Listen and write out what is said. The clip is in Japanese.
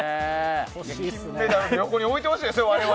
金メダルの横に置いてほしいですね。